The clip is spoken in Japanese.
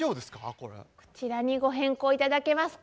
こちらにご変更頂けますか？